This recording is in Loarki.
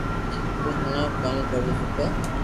تو ھڻاو ڪاو ڪروو کپي